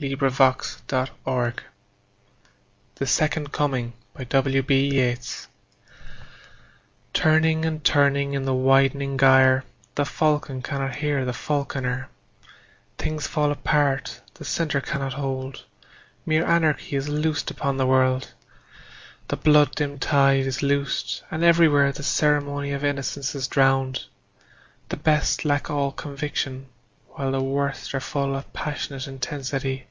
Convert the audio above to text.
William Butler Yeats The Second Coming TURNING and turning in the widening gyre The falcon cannot hear the falconer; Things fall apart; the centre cannot hold; Mere anarchy is loosed upon the world, The blood dimmed tide is loosed, and everywhere The ceremony of innocence is drowned; The best lack all conviction, while the worst Are full of passionate intensity.